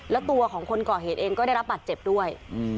แล้วตัวของคนก่อเหตุเองก็ได้รับบัตรเจ็บด้วย